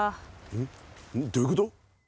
どういうこと？